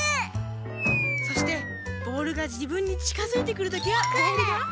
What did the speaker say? そしてボールがじぶんにちかづいてくるときはボールが。